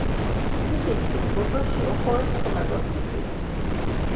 Bidit do bozoşi oxoris komebodgitit.